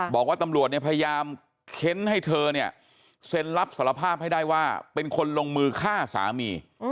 บอกว่าตำรวจเนี่ยพยายามเค้นให้เธอเนี่ยเซ็นรับสารภาพให้ได้ว่าเป็นคนลงมือฆ่าสามี